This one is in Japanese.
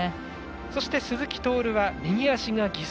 そして、鈴木徹は右足が義足。